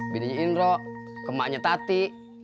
bidiknya indro ke maknya tati